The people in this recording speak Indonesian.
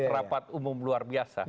rapat umum luar biasa